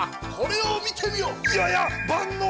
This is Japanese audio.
これを見てみよ！やや！？